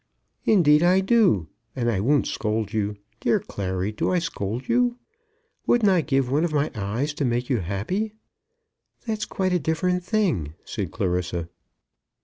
"Indeed I do; and I won't scold you. Dear Clary, do I scold you? Wouldn't I give one of my eyes to make you happy?" "That's quite a different thing," said Clarissa.